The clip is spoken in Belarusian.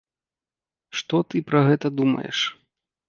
Што ты пра гэта думаеш?